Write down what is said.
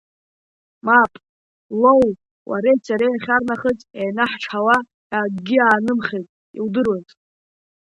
Мап, Лоу, уареи сареи иахьарнахыс еинаҳчҳауа ҳәа акгьы аанымхеит, иудыруаз!